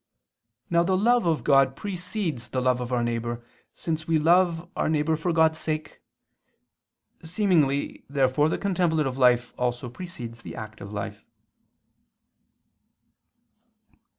Now the love of God precedes the love of our neighbor, since we love our neighbor for God's sake. Seemingly therefore the contemplative life also precedes the active life.